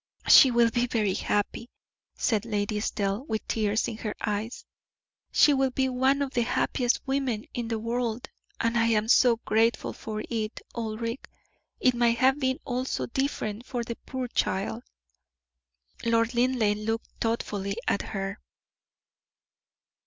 "She will be very happy," said Lady Estelle, with tears in her eyes. "She will be one of the happiest women in the world, and I am so grateful for it, Ulric; it might have been all so different for the poor child." Lord Linleigh looked thoughtfully at her.